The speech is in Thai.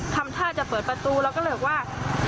ทำท่าจะเปิดประตูเราก็เลยบอกว่าให้แฟนรีบขับออกไปเลย